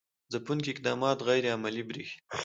ځپونکي اقدامات غیر عملي برېښي.